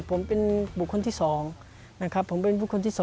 ผมเป็นบุคคลที่๒นะครับผมเป็นบุคคลที่๒